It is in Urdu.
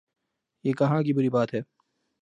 یہ کہاں کی بری بات ہے؟